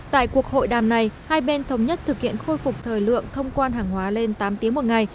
tại cuộc hội đàm này hai bên thống nhất thực hiện khôi phục thời lượng thông quan hàng hóa lên tám tiếng một ngày